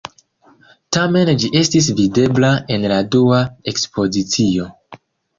Tamen ĝi estis videbla en la dua ekspozicio.